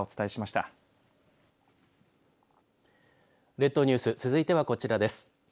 列島ニュース続いてはこちらです。